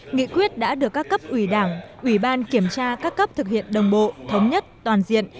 nghị quyết đã được các cấp ủy đảng ủy ban kiểm tra các cấp thực hiện đồng bộ thống nhất toàn diện